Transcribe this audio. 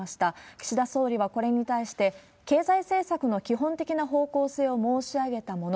岸田総理はこれに対して、経済政策の基本的な方向性を申し上げたもの。